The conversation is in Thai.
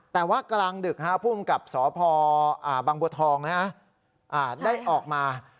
แต่ว่ากลางดึกผู้อังกฤษฐ์บังบัวทรองได้ออกมา